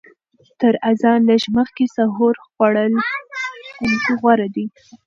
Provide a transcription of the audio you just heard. تر اذان لږ مخکې سحور خوړل غوره دي.